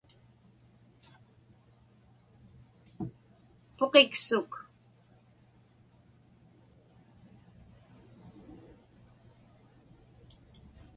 Puqiksuk.